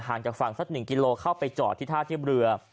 จากฝั่งสัก๑กิโลเข้าไปจอดที่ท่าเทียบเรือ